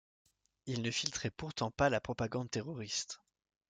Il ne filtrait pourtant pas la propagande terroriste.